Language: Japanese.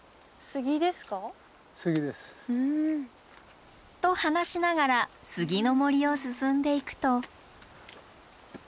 杉です。と話しながら杉の森を進んでいくと。